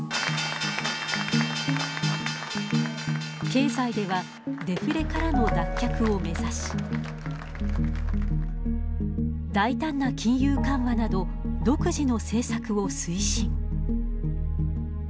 経済ではデフレからの脱却を目指し大胆な金融緩和など独自の政策を推進。